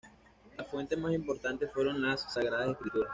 Las fuentes más importantes fueron de "Las Sagradas Escrituras".